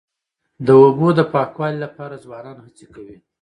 د اوبو د پاکوالي لپاره ځوانان هڅې کوي.